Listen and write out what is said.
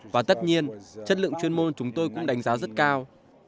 và tất nhiên chất lượng chuyên môn chúng tôi cũng đánh giá rất cao